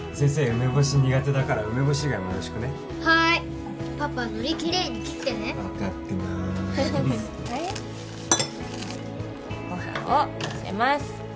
梅干し苦手だから梅干し以外もよろしくねはーいパパ海苔きれいに切ってね分かってまーすご飯をのせます